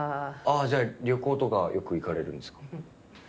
じゃあ旅行とかよく行かれるんですか？